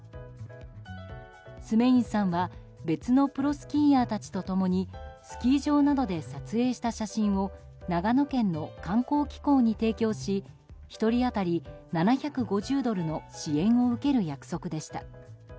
スメインさんは別のプロスキーヤーたちと共にスキー場などで撮影した写真を長野県の観光機構に提供し１人当たり７５０ドルの支援を受ける約束でした。